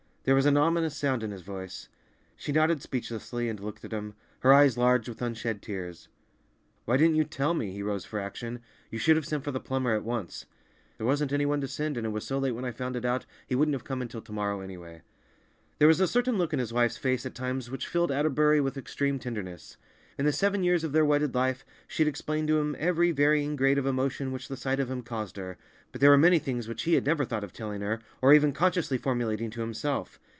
There was an ominous sound in his voice. She nodded speechlessly, and looked at him, her eyes large with unshed tears. "Why didn't you tell me?" He rose for action. "You should have sent for the plumber at once." "There wasn't anyone to send, and it was so late when I found it out; he wouldn't have come until to morrow, anyway." There was a certain look in his wife's face at times which filled Atterbury with extreme tenderness. In the seven years of their wedded life she had explained to him every varying grade of emotion which the sight of him caused her, but there were many things which he had never thought of telling her, or even consciously formulating to himself.